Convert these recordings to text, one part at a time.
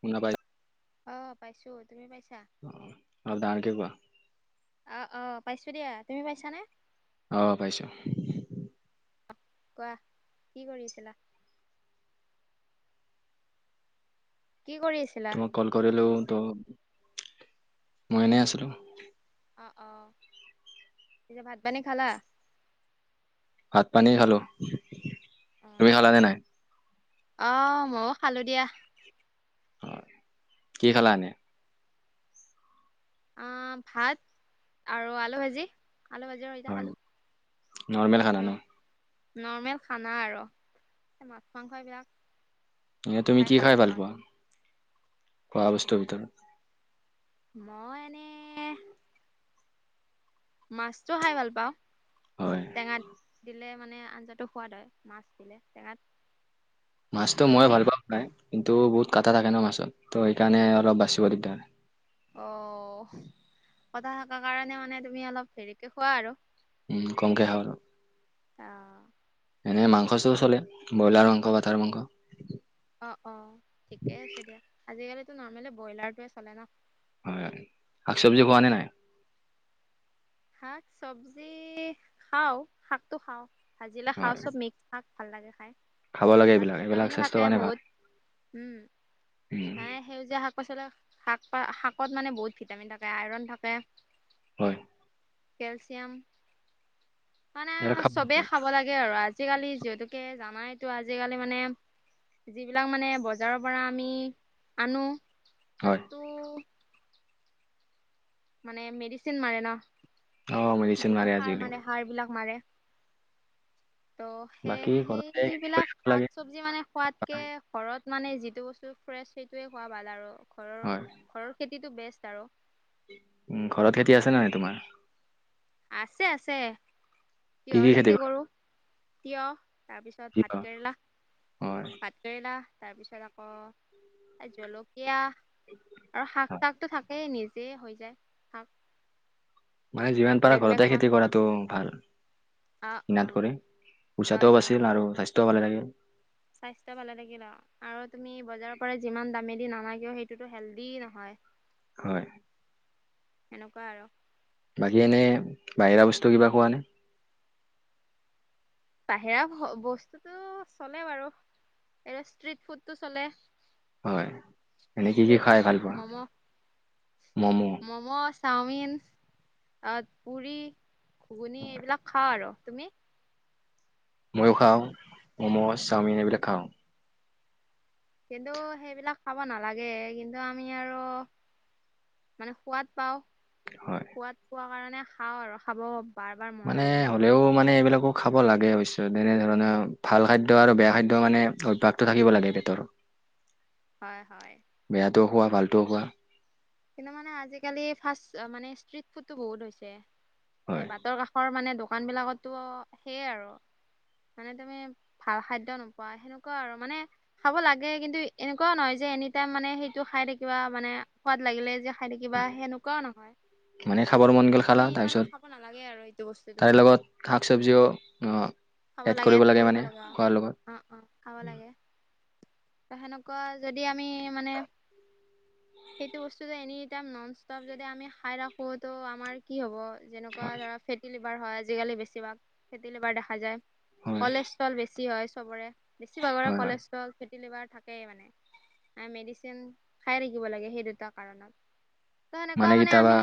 শুনা পাই অঁ পাইছোঁ, তুমি পাইছা? অ অলপ ডাঙৰকে কোৱা? অ অ পাইছোঁ দিয়া, তুমি পাইছানে? অ পাইছোঁ। কোৱা, কি কৰি আছিলা? কি কৰি আছি তোমাক কল কৰিলোঁ ত, মই এনেই আছোঁ। অহ, অ অ এতিয়া ভাত - পানী খালা? ভাত পানী খালো, তুমি অ', খালানে নাই? অ মও খালো দিয়া। হয়, কি খালা এনে? অ ভাত আৰু আলু ভাজি আলু ভাজি। সৈতে হয়, খালো। নেকি নৰ্মেল খানা উম, ন? নৰ্মেল খানা আৰু সেই মাছ মাংসয়ে বেয়া। এ তুমি কি খাই ভাল পোৱা? খোৱা বস্তুৰ ভিতৰত? মই এনেই মাছটো খাই ভাল পাওঁ, হয় টেঙা দিলে মানে আঞ্জাটো সোৱাদ হয়, মাছ দিলে টেঙাত মাছটো ময়ো তুমি? ভাল পোৱা খাই কিন্তু বহুত কাটা থাকে ন মাছত, ত সেইকাৰণে অলপ বাচিব দিগদাৰ হয়। অহ', কথা হতৰ কাৰণে মানে তুমি অলপ হেৰীকে খোৱা আৰু', উম', কমকে খাওঁ আৰু', অঁ', এনে, মাংস চোও চলে ব্ৰইলাৰ মাংস, পাঠাৰ মাংস', অঁ', অঁ', ঠিকে আছে দিয়া। আজিকালিটো নৰ্মেলি ব্ৰইলাৰটোৱে চলে ন', হয়, শাক চব্জি খোৱা নে নাই? শাক চব্জি খাওঁ, শাকটো খাওঁ, ভাজিলে খাওঁ, হয় চব মিক্স', শাক ভাল লাগে খাই, খাব লাগে তাত এইবিলাক এইবিলাক ভিটামিনো স্বাস্থ্যৰ থাকে কাৰণে ভাল বহুত', উম', উম, মানে সেউজীয়া শাক', পচলা শাক পা শাকত মানে বহুত ভিটামিন থাকে আয়ৰন থাকে', হয়', কেলচিয়াম, মানে এইবিলাক খাব চবেই লাগে খাব লাগে', আৰু আজিকালি যিহেতুকে জানাইতো আজিকালি মানে', যিবিলাক মানে বজাৰৰ পৰা আমি আনো হয় তাতটো', মানে মেডিচিন মাৰে ন, অ মেডিচিন যিটো সাৰ আজিকালি মাৰে সাৰ বিলাক মাৰে', ত' সেই বাকী ঘৰতে খেতি কৰি সেইবিলাক খাব শাক লাগে চব্জি মানে খোৱাতকে', ঘৰত মানে যিটো বস্তু ফ্ৰেছ সেইটোৱে খোৱা ভাল আৰু ঘৰৰ, হয় ঘৰৰ খেতিটো বেষ্ট আৰু', উ', ঘৰত খেতি আছে নাই তোমাৰ? আছে- আছে, কি কি তিঁয়হৰ খেতি কৰা কৰো তিঁয়হ', তাৰপিছত কি অ ভাতকেৰেলা, হয় ভাত', ভাতকেৰেলা তাৰপিছত আকৌ এই জলকীয়া', আৰু শাক হয় তাকটো থাকেই নিজে হৈ যায়', শাক মানে যিমান পাৰা বেলেগ বেলেগ ঘৰতে শাক খেতি কৰাটো ভাল', অ অ চাষ কৰিম, হয় পইচাটোও হয় বাছিল আৰু স্বাস্থ্যও ভালে থাকিল', স্বাস্থ্য ভালে থাকিল অহ', আৰু তুমি বজাৰৰ পৰা যিমান দামে দি নানা কিয় সেইটোতো হেল্ডি নহয়', হয়', সেনেকুৱা আৰু', বাকী এনে বাহিৰা বস্তু কিবা খোৱা নে? বাহিৰা ভ, বস্তুটো চলে বাৰু এই ষ্ট্ৰীট ফুডটো চলে', হয় এনে কি কি ষ্ট্ৰীট খাই ফুড ভাল পোৱা ম'ম', ম'ম' আছ', চাওমিন, অ', পুৰি ঘুগুনী এইবিলাক খাওঁ আৰু তুমি? মইয়ো খাওঁ ম'ম' চাওমিন এইবিলাক খাওঁ', কিন্তু সেইবিলাক খাব নালাগে কিন্তু আমি আৰু', মানে সোৱাদ পাওঁ, হয় সোৱাদ পোৱা কাৰণে খাওঁ আৰু খাব', বাৰ বাৰ মন মানে যায় থাকে হ'লেও মানে এইবিলাকক', খাব লাগে অৱশ্যে, যেনে ধৰণৰ ভাল খাদ্য আৰু বেয়া খাদ্য মানে অভ্যাসটো থাকিব লাগে পেটৰ', [unintelligible] হয়', - হয়', বেয়াটোও খোৱা ভালটোও খোৱা কিন্তু মানে আজিকালি ফাষ্ট মানে ষ্ট্ৰীট ফুডটো বহুত হৈছে', হয় এই বাটৰ কাষৰ মানে দোকান বিলাকতো সেইয়ে আৰু মানে তুমি', ভাল খাদ্য নোপোৱা, সেনেকুৱা আৰু মানে', খাব লাগে, কিন্তু এনেকুৱাও নহয় যে এনি টাইম মানে সেইটো খাই থাকিবা মানে সোৱাদ লাগিলে যে', খাই থাকিবা সেনেকুৱাও নহয়, মানে খাবৰ মন গ'ল খালা আমি ইমানো তাৰপিছত খাব নালাগে আৰু এইটো বস্তুটো', তাৰে লগত শাক চব্জিও অ', এড কৰিব লাগে মানে খোৱাৰ লগত', অ', অ', খাব লাগে', ত', সেনেকুৱা যদি আমি মানে', সেইটো বস্তু যে এনি টাইম নন ষ্টপ যদি আমি খাই ৰাখো, তো আমাৰ', কি হ'ব, যেনেকুৱা হয় ধৰা ফেটি লিভাৰ হয়, আজিকালি বেছিভাগ ফেটি লিভাৰ দেখা যায়', হয় কলেষ্ট্ৰল বেছি হয় চবৰে বেছিভাগৰে হয় হয় কলেষ্ট্ৰল ফেটি লিভাৰ থাকেই মানে, মেডিচিন খাই থাকিব লাগে সেই দুটা কাৰণত ত সেনেকুৱা মানে আমি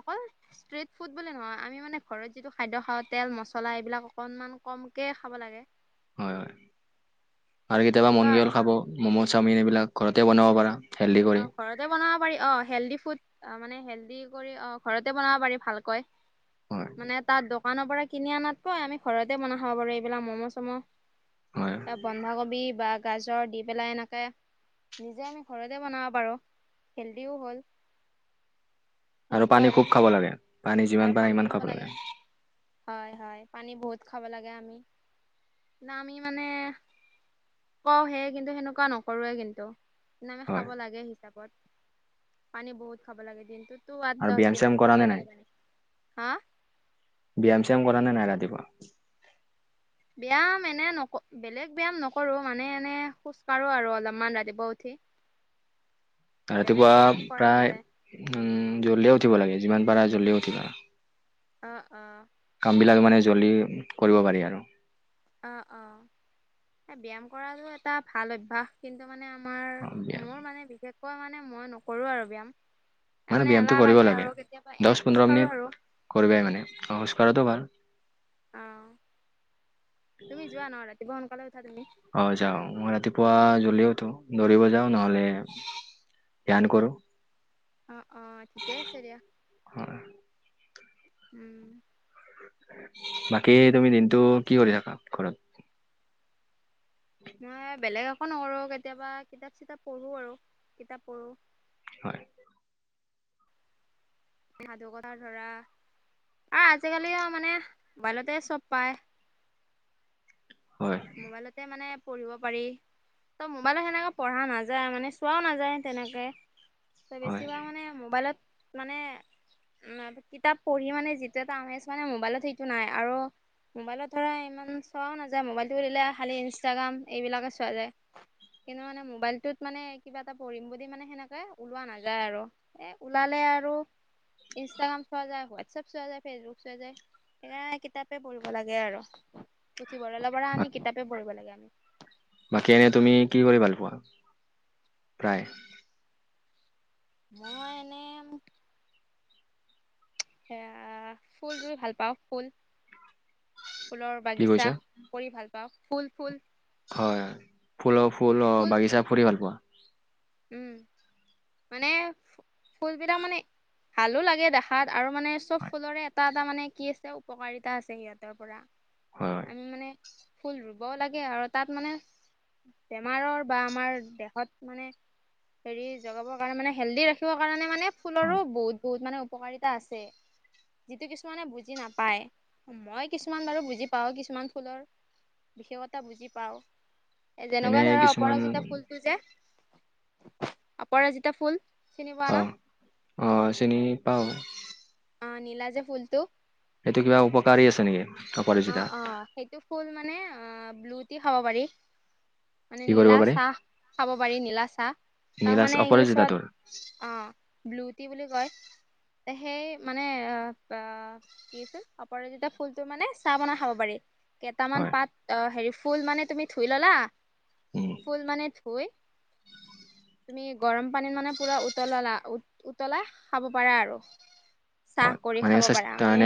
অকল ষ্ট্ৰিট ফুড বুলি নহয় আমি মানে ঘৰত যিটো খাদ্য খাওঁ তেল মছলা এইবিলাক অকণমান কমকে খাব লাগে। হয় হয়, আৰু কেতিয়াবা সেনেকুৱা মনগল আৰু খাব ম'ম' চাওমিন এইবিলাক ঘৰতে বনাব পাৰা। হেল্ডি অ কৰি ঘৰতে বনাব পাৰি অ হেল্ডি ফুড মানে হেল্ডি কৰি অ ঘৰতে বনাব পাৰি ভালকৈ হয় মানে তাত দোকানৰ পৰা কিনি আনাতকৈ আমি ঘৰতে বনাই খাব পাৰো এইবিলাক মম' হয় চম' বন্ধাকবি বা গাজৰ দি পেলাই এনেকে নিজে আমি ঘৰত নিজে বনাব পাৰো হেল্ডিও হ'ল। আৰু পানী খুব খাব লাগে। পানী যিমান পাৰে সিমান খাব লাগে। হয়, হয়, পানী বহুত খাব লাগে আমি আমি মানে, কওঁহে কিন্তু সেনেকুৱা নকৰোৱে কিন্তু। আমি খাব হয় লাগে হিচাপত, পানী বহুত খাব লাগে দিনটোত। নতো আঠ- আৰু দহ ব্যায়াম গিলাচ চ্যায়াম কৰা খাবই নে নাই লাগে পানী। হা ব্যায়াম চ্যায়াম কৰা নে নাই ৰাতিপুৱা। ব্যায়াম এনে নক বেলেগ ব্যায়াম নকৰো। মানে এনে খোজ কঢ়ো আৰু অলপমান ৰাতিপুৱা উঠি। [unintelligible] বেলেগ ৰাতিপুৱা ব্যায়াম কৰা প্ৰায় নাযায় উম জল্দিয়ে উঠিব লাগে। যিমান পাৰা জল্দিয়ে উঠিবা। অ, অ। কামবিলাক মানে জল্দি কৰিব পাৰি আৰু অঁ, অঁ শে ব্যায়াম কৰাটো এটা ভাল অভ্যাস। কিন্তু মানে আমাৰ অ, ব্যায়াম মোৰ মানে বিশেষকৈ মানে মই নকৰোঁ আৰু ব্যায়াম। তাৰ মানে এলাহ লাগে আৰু কেতিয়াবা দহ এনে খোজ পোন্ধৰ কাঢ়ো মিনিট আৰু। কৰিবাই মানে অ খোজ কঢ়াটো ভাল। অ, তুমি যোৱা নহ ৰাতিপুৱা সোনকালে উঠা তুমি। অ যাওঁ, মই ৰাতিপুৱা জল্দি উঠো দৌৰিব যাওঁ নহলে ধ্যায়ান কৰো। অঁ, অঁ ঠিকে আছে দিয়া। হয়। উ'ম। বাকী তুমি দিনটো কি কৰি থাকা ঘৰত মই বেলেগ একো নকৰোঁ কেতিয়াবা কিতাপ- চিতাপ পঢ়োঁ আৰু কিতাপ পঢ়োঁ। হয়। সাধু কথা ধৰা আৰু আজিকালি আও মানে মবাইলতে চব পায়। হয়। মোবাইলতে মানে পঢ়িব পাৰি। ত মোবাইলত সেনেকে পঢ়া নাযায় মানে চোৱাও নাযায় তেনেকে। ত হয় বেছিভাগ মানে মোবাইলত মানে। কিতাপ পঢ়ি মানে যিটো এটা আমেজ মানে মোবাইলত সেইটো নাই আৰু। মোবাইলত ধৰা ইমান চোৱাও নাযায়। মোবাইলটো দিলে খালী ইনষ্টাগ্ৰাম এইবিলাকে চোৱা যায়। কিন্তু মানে মোবাইলটোত মানে কিবা এটা পঢ়িম বুলি মানে সেনেকে ওলোৱা নাযায় আৰু। এ ওলালে আৰু ইনষ্টাগ্ৰাম চোৱা যায়। হোৱাটছপ চোৱা যায় ফেচবুক চোৱা যায়। সেইয়াই কিতাপে পঢ়িব লাগে আৰু। পুথিভঁৰালৰ পৰা আনি বাক- কিতাপে পঢ়িব লাগে আমি। বাকী এনে তুমি কি কৰি ভাল পোৱা, প্ৰায় মই এনে সেয়া ফুল ৰুই ভাল পাওঁ। ফুল, ফুলৰ কি বাগিচা। কৈছা কৰি ভাল পাওঁ ফুল- ফুল। হয় ফুলৰ ফুল অ বাগিচা ফুৰি ভাল পোৱা উম, মানে ফুল বিলাক মানে ভালো লাগে দেখাত, আৰু মানে চব হয় ফুলৰে এটা এটা মানে কি আছে উপকাৰিতা আছে ইয়াতে পৰা হয় হয়। আমি মানে ফুল ৰুবও লাগে আৰু তাত মানে বেমাৰৰ বা আমাৰ দেহত মানে হেৰি জগাবৰ কাৰণে মানে হেল্ডি ৰাখিবৰ কাৰণে মানে ফুলৰো হয়। বহুত বহুত মানে উপকাৰিতা আছে। যিটো কিছুমানে বুজি নাপায়, মই কিছুমান বাৰু বুজি পাওঁ কিছুমান ফুলৰ বিশেষতা বুজি পাওঁ, এ এনে যেনেকুৱা ধৰা কিছুমান অপৰাজিতা ফুলটো যে অপৰাজিতা ফুল চিনি পোৱা ন অঁহ, অঁহ চিনি পাওঁ। অ নীলা যে ফুলটো? সেইটো কিবা উপকাৰী আছে নেকি? অ অপৰাজিতা অ সেইটো ফুল মানে ব্লু টি খাব পাৰি। মানে কি কৰিব নীলা পাৰি চাহ খাব পাৰি নীলা চাহ তাক নীলাজ মানে ইংলিছত অপৰাজিতাটোৰ অ, ব্লু টি বুলি কয়। তে সেই মানে আ তা কি আছিল অপৰাজিতা ফুলটো মানে চাহ বনাই খাব পাৰি, কেইটামান হয় পাত আ হেৰি ফুল মানে তুমি ধুই ললা ফুল মানে ধুই উ [inaudible] তুমি গৰম পানীত মানে পুৰা উতলালা উ উতলা খাব পাৰা আৰু। চাহ হয় কৰি মানে খাব পাৰা স্বাস্থ্য মানে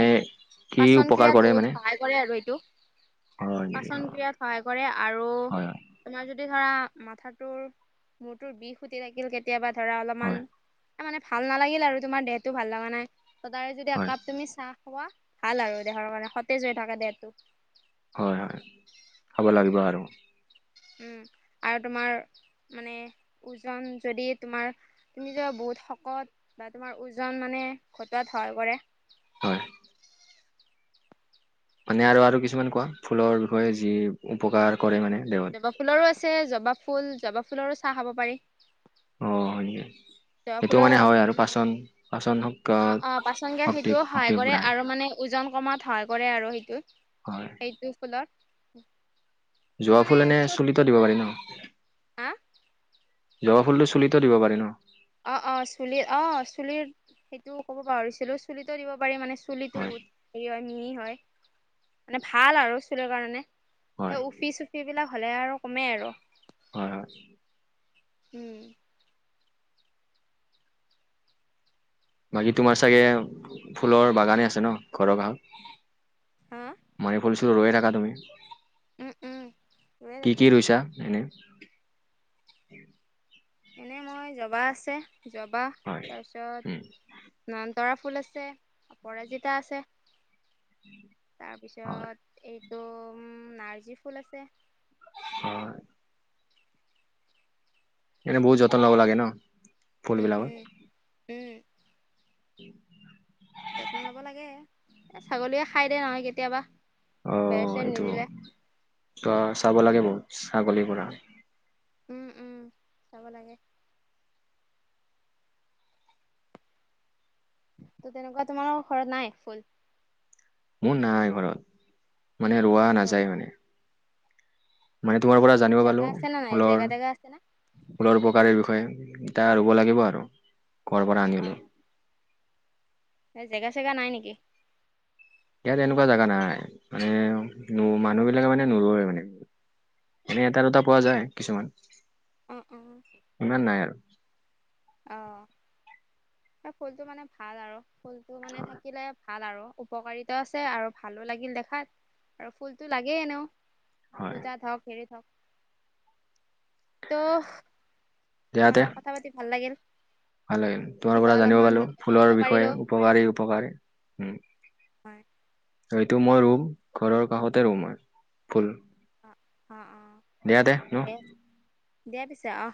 কি পাচন উপকাৰ ক্ৰিয়াত কৰে বহুত মানে সহায় কৰে আৰু এইটো হয় নেকি পাচন অ ক্ৰিয়াত সহায় কৰে আৰু হয় হয় আপোনাৰ যদি ধৰা মাথাটোৰ মূৰটোৰ বিষ খুটি থাকিল কেতিয়াবা ধৰা অলপমান হয় আ মানে ভাল নালাগিল আৰু তোমাৰ দেহটো ভাল লগা নাই ত দাৰে যদি হয় একাপ তুমি চাহ খোৱা, ভাল আৰু দেহৰ কাৰণে সতেজ হৈ থাকা দেহটো। হয় হয় খাব লাগিব আৰু। উম আৰু তোমাৰ মানে ওজন যদি তোমাৰ তুমি যে বহুত শকত বা তোমাৰ ওজন মানে ঘটোৱাত সহায় কৰে। হয়। মানে আৰু আৰু কিছুমান কোৱা ফুলৰ বিষয়ে যি উপকাৰ কৰে মানে? দেহত জবা ফুলৰো আছে, জবা ফুল, জবা ফুলৰো চাহ খাব পাৰি। অঁ হয়, জবা সেইটো ফুলৰ মানে হয় আৰু মানে পাচন পাচন হওক অ অ পাচন গে সেইটোও সহায় কৰে আৰু মানে ওজন কমাত সহায় কৰে আৰু সেইটো হয় সেইটো ফুলত। জবা ফুল এনে চলিত দিব পাৰি ন? হা জবা ফুলটো চুলিতো দিব পাৰি ন? অ অ চুলিৰ অ চুলিৰ সেইটো ক'ব পাহৰিছিলো চুলিতো দিব পাৰি মানে চুলিটো হয় বহুত হেৰি হয় মিহি হয় মানে ভাল আৰু চুলিৰ কাৰণে। হয় উফি চুফিবিলাক হ'লে আৰু কমেই আৰু। হয় হয়। উম। বাকী তোমাৰ চাগে, ফুলৰ বাগানে আছে ন ঘৰৰ কাষত? হা মাৰি ফুলছো ৰৈ থাকা তুমি, উম উম ৰুয়ে কি থাকো কি মই ৰুইছা? এনে এনেই মই জবা আছে, জবা হয় উম, তাৰপিছত নয়নতৰা ফুল আছে, অপৰাজিতা আছে। [inaudible] হয় তাৰপিছত এইটো নাৰ্জী ফুল আছে। হয়। এনে বহু যতন লাগ লাগে ন? উম ফুলবিলাকত উম, উম। [unintelligible] যত্ন ল'ব লাগে, এ ছাগলীয়ে খাই দে নহয় কেতিয়াবা। বেৰ অ', চেৰ এইটো, নিদিলে ত' চাব লাগে বহুত ছাগলীৰ পৰা। উম, উম, চাব লাগে। ত' তেনেকুৱা তোমাৰ ঘৰত নাই, ফুল? মোৰ নাই ঘৰত, মানে ৰোৱা নাযায় মানে। মানে তোমাৰ পৰা জানিব পালো, জেগা আছে নে নাই ফুলৰ জেগা জেগা আছে না ফুলৰ উপকাৰীৰ বিষয়ে, এতিয়া ৰুব লাগিব আৰু, ক'বাৰ পৰা আনি হ'লেও। এনে জেগা চেগা নাই নেকি? ইয়াত এনেকুৱা জেগা নাই মানে, মানুহবিলাকে মানে নুৰোৱে মানে। এনেই এটা দুটা পোৱা অ যায় কিছুমান, অ অ ইমান নাই আৰু। অ', তাৰ ফুলটো মানে ভাল আৰু ফুলটো মানে হয় থাকিলে ভাল আৰু উপকাৰিতা আছে আৰু ভালো লাগিল দেখাত, আৰু ফুলটো লাগেই এনেও। হয় পূজাত হওক হেৰিত হওক। ত' তোমাৰ দিয়াতে লগত কথা পাতি ভাল লাগিল। ভাল লাগিল, তোমাৰ কিবা পৰা জানিব অলপমান পাৰলো হলেও জানিব ফুলৰ বিষয়ে পাৰিলো উপকাৰী-উপকাৰী উম, হয়, ত' সেইটো মই ৰুম, ঘৰৰ কাষতে ৰুম মই, ফুল। অ অ', অ, দিয়া দিয়া ন'? ঠিকে দিয়া পিছে অ,